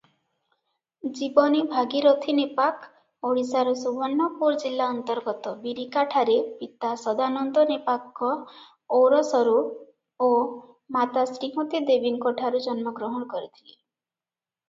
ଜୀବନୀ ଭାଗିରଥୀ ନେପାକ ଓଡ଼ିଶାର ସୁବର୍ଣ୍ଣପୁର ଜିଲ୍ଲା ଅନ୍ତର୍ଗତ ବିନିକାଠାରେ ପିତା ସଦାନନ୍ଦ ନେପାକଙ୍କ ଔରସ୍ୟରୁ ଓ ମାତା ଶ୍ରୀମତୀ ଦେବୀଙ୍କଠାରୁ ଜନ୍ମଗ୍ରହଣ କରିଥିଲେ ।